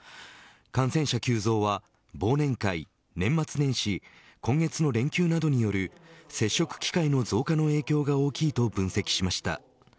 感染者急増は忘年会、年末年始今月の連休などによる接触機会の増加の影響が大きいと分析しました。